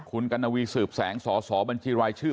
คุณกานวีสืบแสงสบริจรายช